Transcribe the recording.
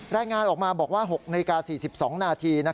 รายงานออกมาบอกว่า๖นาฬิกา๔๒นาที